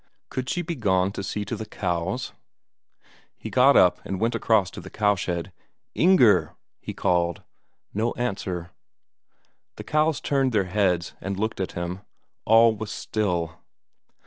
Could she be gone to see to the cows? He got up and went across to the cowshed. "Inger!" he called. No answer. The cows turned their heads and looked at him; all was still.